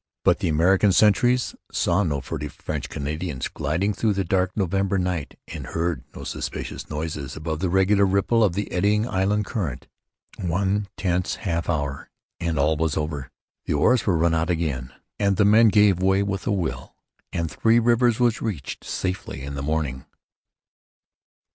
But the American sentries saw no furtive French Canadians gliding through that dark November night and heard no suspicious noises above the regular ripple of the eddying island current. One tense half hour and all was over, The oars were run out again; the men gave way with a will; and Three Rivers was safely reached in the morning.